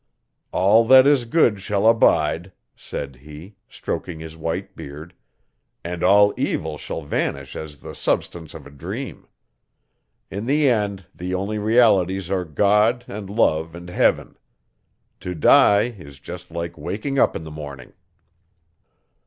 'All that is good shall abide,' said he, stroking his white beard, 'and all evil shall vanish as the substance of a dream. In the end the only realities are God and love and Heaven. To die is just like waking up in the morning.